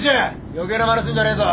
余計なまねすんじゃねえぞ！